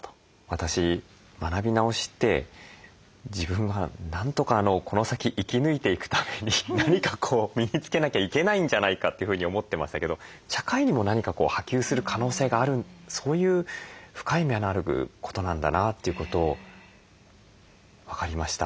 私学び直しって自分はなんとかこの先生き抜いていくために何か身につけなきゃいけないんじゃないかというふうに思ってましたけど社会にも何か波及する可能性があるそういう深い意味のあることなんだなということを分かりました。